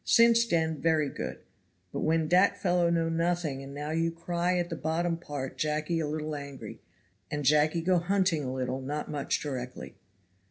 Since den very good but when dat fellow know nothing, and now you cry at the bottom* part Jacky a little angry, and Jacky go hunting a little not much direckly."